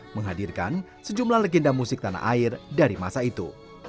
menghadirkan sejumlah legenda musik tanah air dari masa itu